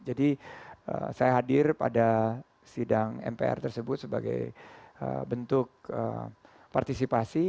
jadi saya hadir pada sidang mpr tersebut sebagai bentuk partisipasi